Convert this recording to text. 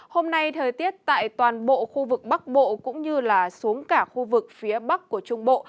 hôm nay thời tiết tại toàn bộ khu vực bắc bộ cũng như là xuống cả khu vực phía bắc của trung bộ